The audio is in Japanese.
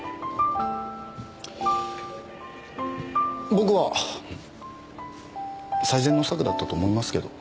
僕は最善の策だったと思いますけど。